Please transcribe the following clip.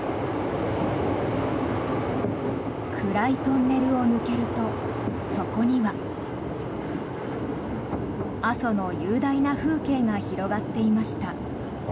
暗いトンネルを抜けるとそこには。阿蘇の雄大な風景が広がっていました。